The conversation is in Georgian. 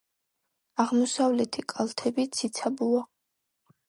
აღმოსავლეთი კალთები ციცაბოა.